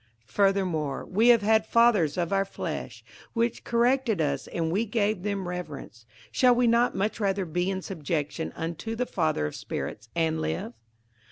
58:012:009 Furthermore we have had fathers of our flesh which corrected us, and we gave them reverence: shall we not much rather be in subjection unto the Father of spirits, and live?